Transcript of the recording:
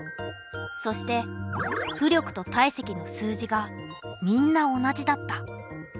そして浮力と体積の数字がみんな同じだった。